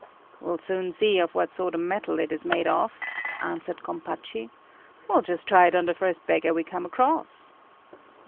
"We'll soon see what sort of metal it is made of," answered Gompachi. "We'll just try it on the first beggar we come across."